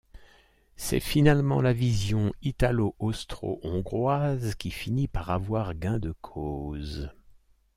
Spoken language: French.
C’est finalement la vision italo-austro-hongroise qui finit par avoir gain de cause.